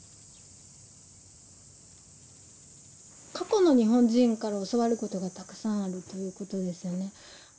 過去の日本人から教わることがたくさんあるということですよね。